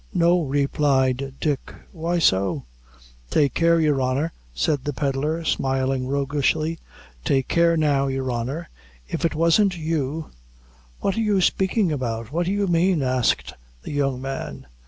"No," replied Dick; "why so?" "Take care, your honor," said the pedlar, smiling roguishly; "take care now, your honor, if it wasn't you " "What are you speaking about what do you mean?" asked the young man.